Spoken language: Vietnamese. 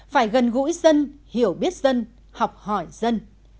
phải gần gũi dân hiểu biết dân học hỏi dân